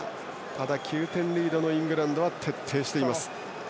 ただ、９点リードのイングランドは徹底しています。